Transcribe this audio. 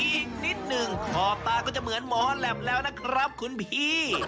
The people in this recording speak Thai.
อีกนิดหนึ่งขอบตาก็จะเหมือนหมอแหลปแล้วนะครับคุณพี่